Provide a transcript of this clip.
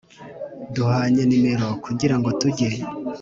duhanye nimero kugirango tujye